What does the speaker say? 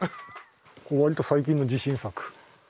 割と最近の自信作。